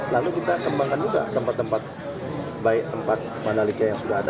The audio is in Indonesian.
lalu kita kembangkan juga tempat tempat baik tempat mandalika yang sudah ada